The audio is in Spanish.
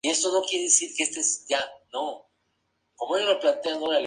Su objetivo declarado fue combatir lo que denominaba un "proceso de descomposición institucional".